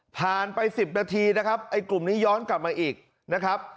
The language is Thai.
ไป๑๐นาทีนะครับไอ้กลุ่มนี้ย้อนกลับมาอีกนะครับ